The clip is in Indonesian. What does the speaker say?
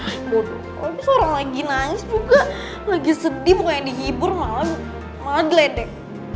oh iya tapi seorang lagi nangis juga lagi sedih pokoknya dihibur malah malah gledek